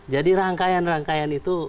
jadi rangkaian rangkaian itu